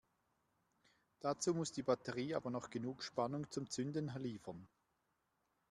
Dazu muss die Batterie aber noch genug Spannung zum Zünden liefern.